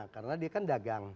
karena dia kan dagang